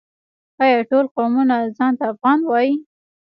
آیا ټول قومونه ځان ته افغان وايي؟